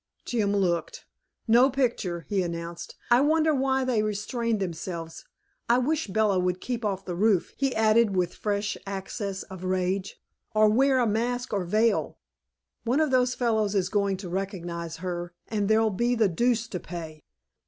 Jim looked. "No picture," he announced. "I wonder why they restrained themselves! I wish Bella would keep off the roof," he added, with fresh access of rage, "or wear a mask or veil. One of those fellows is going to recognize her, and there'll be the deuce to pay."